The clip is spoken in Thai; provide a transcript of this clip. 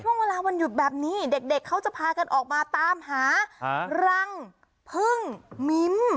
วันหยุดแบบนี้เด็กเขาจะพากันออกมาตามหารังพึ่งมิ้ม